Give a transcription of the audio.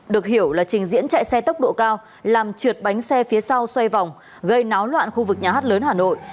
được hiểu là trình diễn chạy xe tốc độ cao làm trượt bánh xe phía sau xoay vòng gây náo loạn khu vực nhà hát lớn hà nội